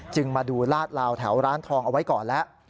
จึงมาดูราดราวแถวร้านทองเอาไว้ก่อนแหละ